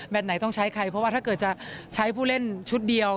ไหนต้องใช้ใครเพราะว่าถ้าเกิดจะใช้ผู้เล่นชุดเดียว